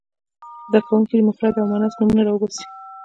زده کوونکي دې مفرد او مؤنث نومونه را وباسي.